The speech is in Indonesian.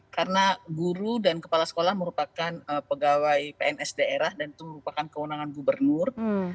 karena guru dan kepala sekolah merupakan pegawai pns daerah dan itu merupakan kewenangan gubernur